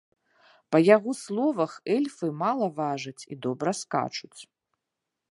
Па яго словах, эльфы мала важаць і добра скачуць.